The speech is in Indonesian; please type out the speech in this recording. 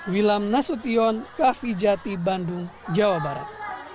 wilam nasution kavijati bandung jawa barat